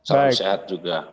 salam sehat juga